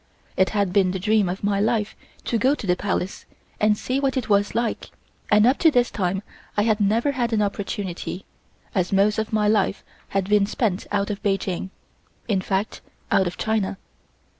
It had been the dream of my life to go to the Palace and see what it was like, and up to this time I had never had an opportunity, as most of my life had been spent out of Peking, in fact, out of China.